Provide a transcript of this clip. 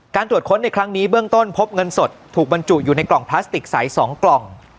ตรวจค้นในครั้งนี้เบื้องต้นพบเงินสดถูกบรรจุอยู่ในกล่องพลาสติกใส๒กล่อง